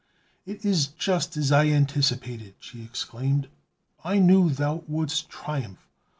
"It is just as I anticipated," she exclaimed. "I knew thou wouldst triumph.